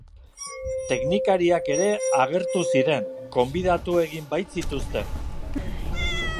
Teknikariak ere agertu ziren, gonbidatu egin baitzituzten.